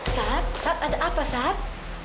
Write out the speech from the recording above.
saat saat ada apa saat